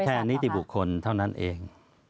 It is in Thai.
เหมาะกับนิตของคนเท่านั้นเอง